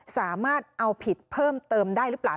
สามารถเอาผิดเพิ่มเติมได้หรือเปล่า